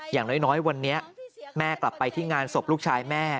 อย่างน้อยวันนี้แม่กลับไปที่งานศพลูกชายแม่